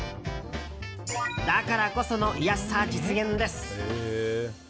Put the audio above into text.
だからこその安さ実現です。